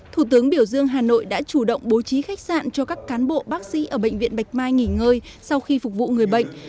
thủ tướng đã chủ động bố trí khách sạn cho các cán bộ bác sĩ ở bệnh viện bạch mai nghỉ ngơi sau khi phục vụ người bệnh